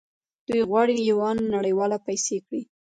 دوی غواړي یوان نړیواله پیسې کړي.